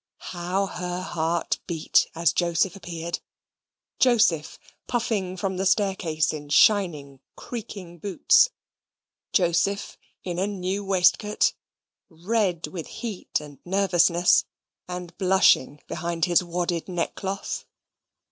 How her heart beat as Joseph appeared Joseph, puffing from the staircase in shining creaking boots Joseph, in a new waistcoat, red with heat and nervousness, and blushing behind his wadded neckcloth.